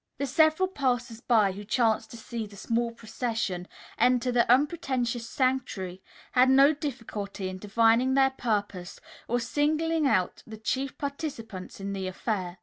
The several passers by who chanced to see this small procession enter the unpretentious sanctuary had no difficulty in divining their purpose or singling out the chief participants in the affair.